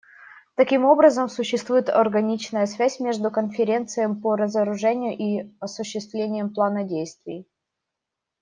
Таким образом, существует органичная связь между Конференцией по разоружению и осуществлением плана действий.